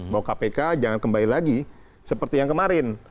bahwa kpk jangan kembali lagi seperti yang kemarin